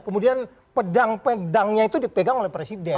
kemudian pedang pedangnya itu dipegang oleh presiden